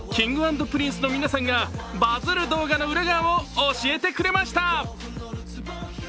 Ｋｉｎｇ＆Ｐｒｉｎｃｅの皆さんがバズる動画の裏側を教えてくれました。